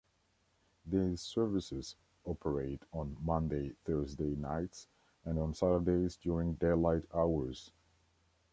These services operate on Monday - Thursday nights and on Saturdays during daylight hours.